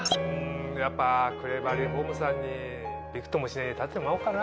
やっぱクレバリーホームさんにびくともしない家建ててもらおうかな。